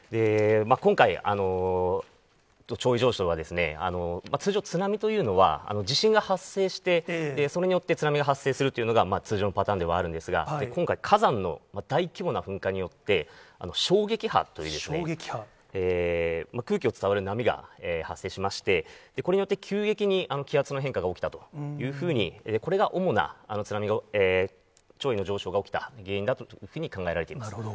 今回、潮位上昇は、通常、津波というのは地震が発生して、それによって津波が発生するというのが、通常のパターンではあるんですが、今回、火山の大規模な噴火によって、衝撃波という、空気を伝わる波が発生しまして、これによって急激に気圧の変化が起きたというふうに、これが主な、潮位の上昇が起きた原因だというふうに考えられています。